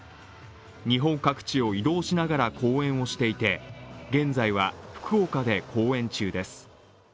日本各地を移動しながら公演をしていて、現在は福岡で公演中です。